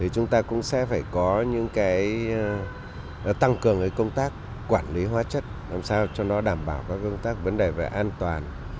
chúng tôi đã tăng cường công tác quản lý hóa chất làm sao cho nó đảm bảo các công tác vấn đề về an toàn